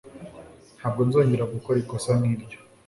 Ntabwo nzongera gukora ikosa nk'iryo.